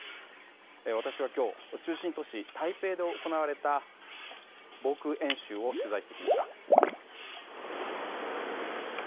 私は今日、中心都市台北で行われた防空演習を取材してきました。